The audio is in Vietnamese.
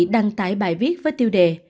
đăng tải bài viết với tiêu đề